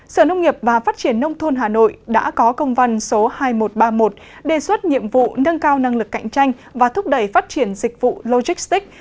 sở nông nghiệp và phát triển nông thôn hà nội đã có công văn số hai nghìn một trăm ba mươi một đề xuất nhiệm vụ nâng cao năng lực cạnh tranh và thúc đẩy phát triển dịch vụ logistics